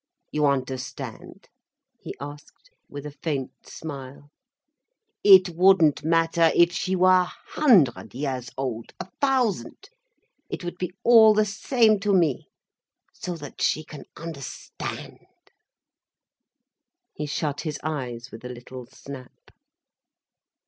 "You understand?" he asked, with a faint smile. "It wouldn't matter if she were a hundred years old, a thousand—it would be all the same to me, so that she can understand." He shut his eyes with a little snap.